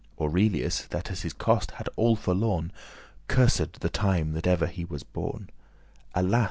Aurelius, that his cost had *all forlorn,* *utterly lost* Cursed the time that ever he was born. "Alas!"